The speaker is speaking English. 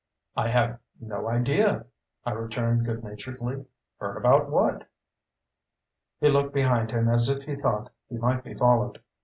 "I have no idea," I returned good naturedly. "Heard about what?" He looked behind him as if he thought he might be followed.